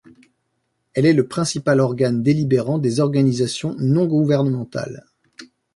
Elle est le principal organe délibérant des organisations non-gouvernementales.